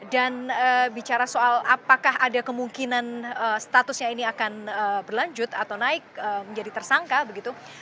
dan bicara soal apakah ada kemungkinan statusnya ini akan berlanjut atau naik menjadi tersangka begitu